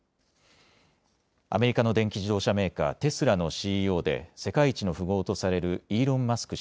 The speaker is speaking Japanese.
アメリカの電気自動車メーカー、テスラのＣＥＯで世界一の富豪とされるイーロン・マスク